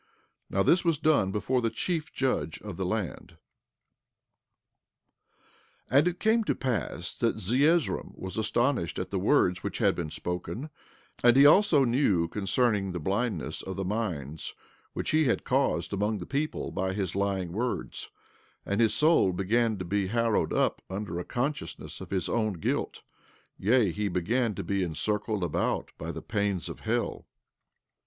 Now this was done before the chief judge of the land. 14:6 And it came to pass that Zeezrom was astonished at the words which had been spoken; and he also knew concerning the blindness of the minds, which he had caused among the people by his lying words; and his soul began to be harrowed up under a consciousness of his own guilt; yea, he began to be encircled about by the pains of hell.